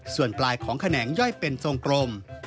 ส่วนปลายของคลเฉงย่อยเป็นศงกลม